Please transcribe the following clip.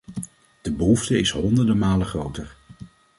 De behoefte is honderden malen groter.